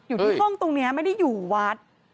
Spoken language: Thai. อยู่ที่ห้องตรงนี้ไม่ได้อยู่วัด